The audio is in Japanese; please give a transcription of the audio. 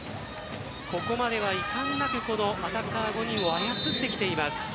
ここまではいかんなくアタッカー５人を操っていきます。